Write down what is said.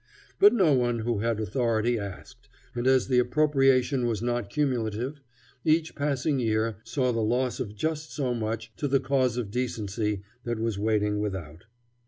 But no one who had the authority asked, and as the appropriation was not cumulative, each passing year saw the loss of just so much to the cause of decency that was waiting without.